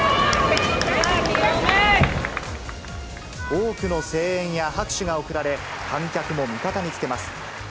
多くの声援や拍手が送られ観客も味方につけます。